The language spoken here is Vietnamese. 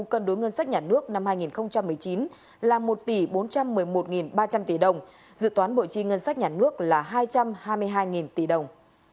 cân đối ngân sách nhà nước năm hai nghìn một mươi chín là một tỷ bốn trăm một mươi một ba trăm linh tỷ đồng dự toán bộ chi ngân sách nhà nước là hai trăm hai mươi hai tỷ đồng